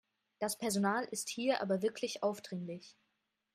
Das Personal ist hier aber wirklich aufdringlich.